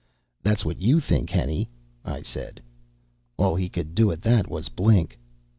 "That's what you think, Henny," I said. All he could do at that was blink.